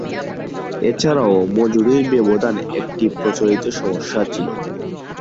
এছাড়াও মজুরির ব্যবধান একটি প্রচলিত সমস্যা ছিল।